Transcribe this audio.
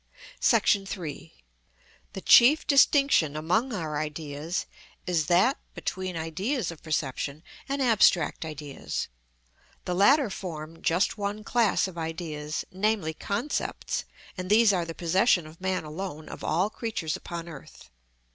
§ 3. The chief distinction among our ideas is that between ideas of perception and abstract ideas. The latter form just one class of ideas, namely concepts, and these are the possession of man alone of all creatures upon earth.